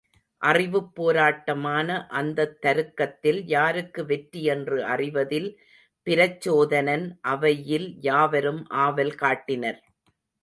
அறிவுப் போராட்டமான அந்தத் தருக்கத்தில் யாருக்கு வெற்றி என்று அறிவதில் பிரச்சோதனன் அவையில் யாவரும் ஆவல் காட்டினர்.